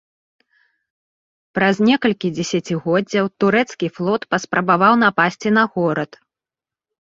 Праз некалькі дзесяцігоддзяў турэцкі флот паспрабаваў напасці на горад.